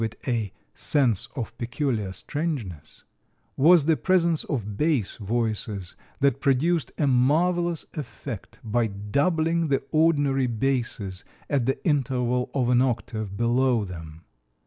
A specialty of this choir, which gave it a "sense of peculiar strangeness," was the presence of bass voices that produced a marvelous effect by doubling the ordinary basses at the interval of an octave below them.